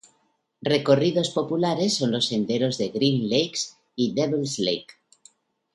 Recorridos populares son los senderos de Green Lakes y Devils Lake.